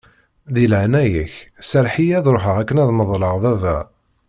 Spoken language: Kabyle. Di leɛnaya-k, serreḥ-iyi ad ṛuḥeɣ akken ad meḍleɣ baba.